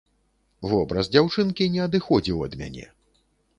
Вобраз дзяўчынкі не адыходзіў ад мяне.